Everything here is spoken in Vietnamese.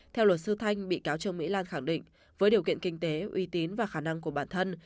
theo luật sư thanh bị cáo trương mỹ lan khẳng định với điều kiện kinh tế uy tín và khả năng của bản thân